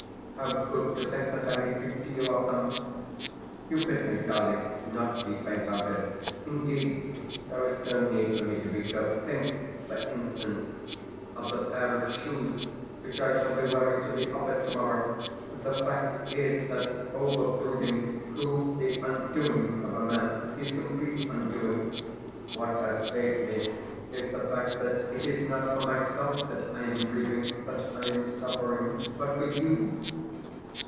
How good to think that I may speak to you of them! You bid me, darling, not be faint hearted. Indeed, there is no need for me to be so. Think, for instance, of the pair of shoes which I shall be wearing to the office tomorrow! The fact is that over brooding proves the undoing of a man his complete undoing. What has saved me is the fact that it is not for myself that I am grieving, that I am suffering, but for YOU.